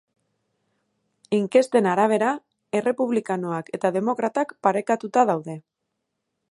Inkesten arabera, errepublikanoak eta demokratak parekatuta daude.